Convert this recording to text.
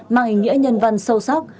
mang ý nghĩa nhân văn sâu sắc